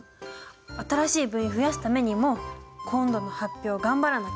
新しい部員増やすためにも今度の発表頑張らなきゃ。